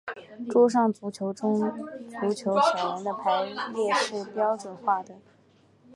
桌上足球中足球小人的排列是标准化的。